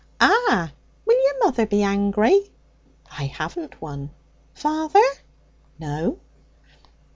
'Ah! Will your mother be angry?' 'I haven't one.' 'Father?' 'No.'